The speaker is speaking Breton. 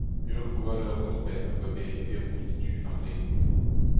Ur gwalleur ouzhpenn a oa bet e deroù miz Du warlene.